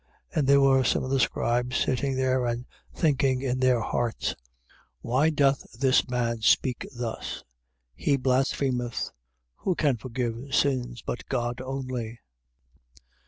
2:6. And there were some of the scribes sitting there and thinking in their hearts: 2:7. Why doth this man speak thus? He blasphemeth. Who can forgive sins, but God only?